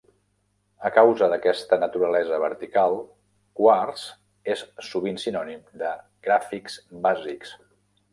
A causa d'aquesta naturalesa vertical, "Quartz" és sovint sinònim de "gràfics bàsics".